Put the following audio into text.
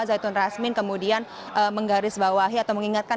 zaitun rasmi kemudian menggaris bawahi atau mengingatkan